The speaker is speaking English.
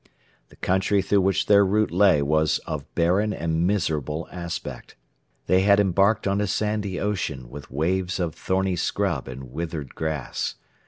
The country through which their route lay was of barren and miserable aspect. They had embarked on a sandy ocean with waves of thorny scrub and withered grass.